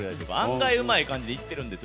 案外うまい感じでいってるんです。